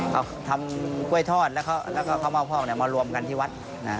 เขาทำกล้วยทอดแล้วก็ข้าวเม่าพอกมารวมกันที่วัด